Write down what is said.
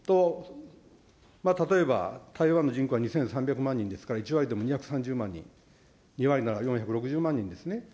例えば台湾の人口は２３００万人ですから、１割でも２３０万人、２割なら４６０万人ですね。